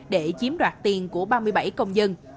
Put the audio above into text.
để chiếm đoạt tiền của ba mươi bảy công dân